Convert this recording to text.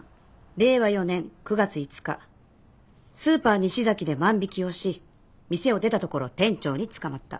令和４年９月５日スーパー西崎で万引をし店を出たところ店長に捕まった。